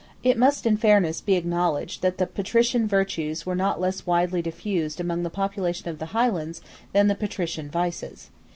It must in fairness be acknowledged that the patrician virtues were not less widely diffused among the population of the Highlands than the patrician vices.